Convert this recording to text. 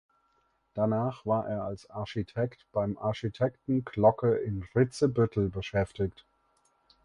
Danach war er als Architekt beim Architekten Glocke in Ritzebüttel beschäftigt.